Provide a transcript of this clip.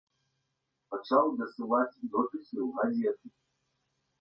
Пачаў дасылаць допісы ў газеты.